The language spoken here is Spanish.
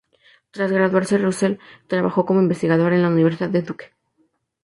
Tras graduarse, Rosselló trabajó como investigador en la Universidad de Duke.